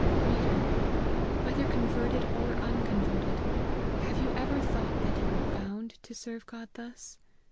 Reader, whether converted or unconverted, have you ever thought that you were bound to serve God thus